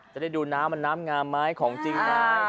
จะได้ดูน้ำมันน้ำงามไหมของจริงไหม